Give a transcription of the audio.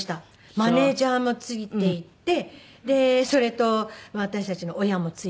マネジャーも付いていってそれと私たちの親も付いていって。